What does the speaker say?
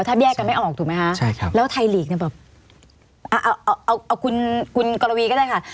ถ้าแยกกันไม่ออกถูกไหมคะใช่ครับแล้วไทยลีกเนี่ยแบบเอาเอาคุณกรวีก็ได้ค่ะ